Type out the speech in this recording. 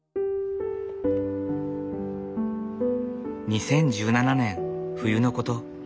２０１７年冬のこと。